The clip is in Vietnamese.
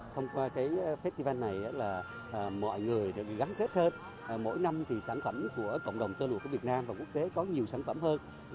thông qua festival này mọi người được gắn kết hơn mỗi năm sản phẩm của cộng đồng tơ lụa việt nam và quốc tế có nhiều sản phẩm hơn